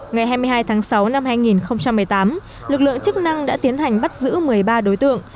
ngày hai mươi hai tháng sáu năm hai nghìn một mươi tám lực lượng chức năng đã tiến hành bắt giữ một mươi ba đối tượng